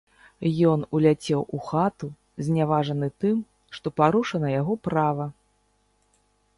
Ён уляцеў у хату, зняважаны тым, што парушана яго права.